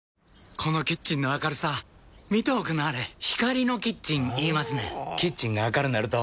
このキッチンの明るさ見ておくんなはれ光のキッチン言いますねんほぉキッチンが明るなると・・・